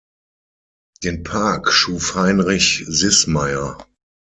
Den Park schuf Heinrich Siesmayer.